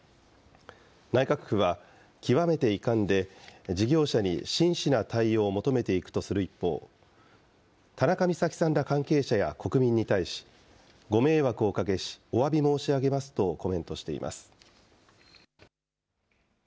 内閣府は極めて遺憾で、事業者に真摯な対応を求めていくとする一方、たなかみさきさんら関係者や国民に対し、ご迷惑をおかけし、おわび申し上げますとコメントしています。